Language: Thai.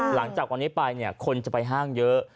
หลังจากวันนี้ไปเนี่ยคนจะไปห้างเยอะ